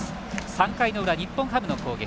３回の裏、日本ハムの攻撃。